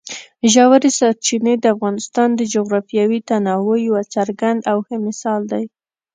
ژورې سرچینې د افغانستان د جغرافیوي تنوع یو څرګند او ښه مثال دی.